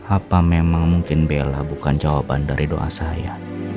apa memang mungkin bella bukan jawaban dari doa saya